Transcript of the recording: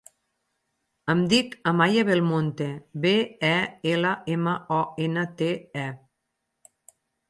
Em dic Amaia Belmonte: be, e, ela, ema, o, ena, te, e.